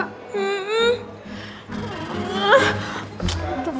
tepuk tangan mama